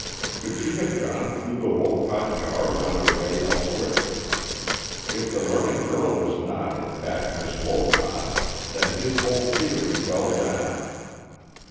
Could she have gone through the Wolcott yard on her way elsewhere? If the running girl was not in fact Miss Wolcott, then his whole theory fell down.